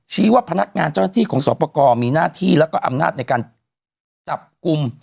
ว่าพนักงานเจ้าหน้าที่ของสอบประกอบมีหน้าที่แล้วก็อำนาจในการจับกลุ่ม